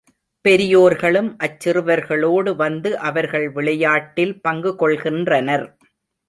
பெரியோர்களும் அச் சிறுவர்களோடு வந்து அவர்கள் விளையாட்டில் பங்கு கொள்கின்றனர்.